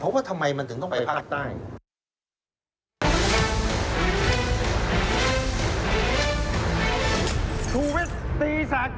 ว่าทำไมมันถึงต้องไปภาคใต้